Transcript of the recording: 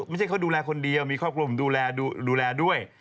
ไม่ใช่เขาดูแลคนเดียวมีครอบครัวผมดูแลดูแลด้วย